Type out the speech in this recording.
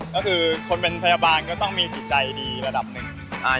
ก็คือคนเป็นพยาบาลก็ต้องมีจิตใจดีระดับหนึ่ง